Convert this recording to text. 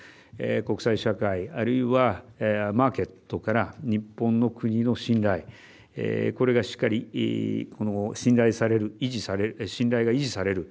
国際社会あるいはマーケットから日本の国の信頼これがしっかり信頼される信頼が維持される